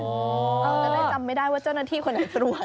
จะได้จำไม่ได้ว่าเจ้าหน้าที่คนไหนตรวจ